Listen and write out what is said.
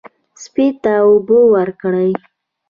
سپي ته اوبه ورکړئ.